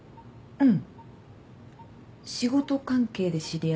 うん。